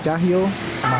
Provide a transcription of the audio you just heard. mary utami tidak bersalah